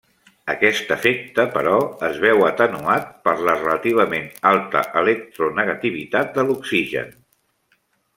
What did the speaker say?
Aquest efecte, però, es veu atenuat per la relativament alta electronegativitat de l'oxigen.